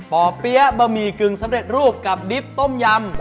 ป่อเปี๊ยะบะหมี่กึ่งสำเร็จรูปกับดิบต้มยำ